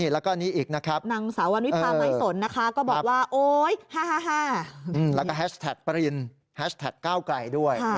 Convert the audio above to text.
แล้วก็แฮชแท็กต์ปริลแฮชแท็กต์ก้าวกล่าวด้วย